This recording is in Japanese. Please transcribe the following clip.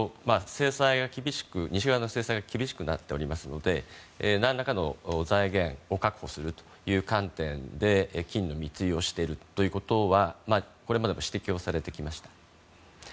西側の制裁が厳しくなっておりますので何らかの財源を確保するという観点で金の密輸をしているということはこれまでも指摘されてきました。